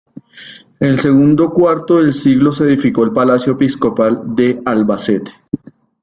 En el segundo cuarto del siglo se edificó el Palacio Episcopal de Albacete.